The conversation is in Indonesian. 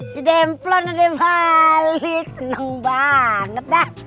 si demplon udah balik seneng banget dah